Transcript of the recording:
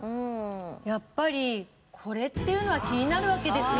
やっぱりこれっていうのは気になるわけですよ。